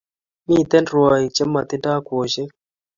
Miten rwaik che matindo kwoshek